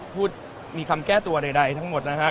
พูดมีคำแก้ตัวใดทั้งหมดนะฮะ